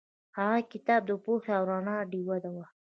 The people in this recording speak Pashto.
هغه کتاب د پوهې او رڼا ډیوه وه.